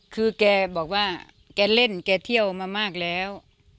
คือแกบอกว่าแกเล่นแกเที่ยวมามากแล้ว